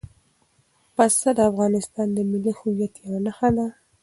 پسه د افغانستان د ملي هویت یوه نښه ده.